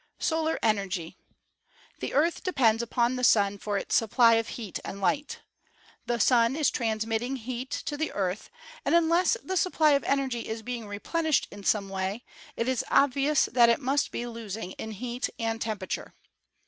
Solar Energy. — The Earth depends upon the Sun for its supply of heat and light. The Sun is transmitting heat to the Earth, and unless the supply of energy is being re plenished in some way it is obvious that it must be losing in heat and temperature.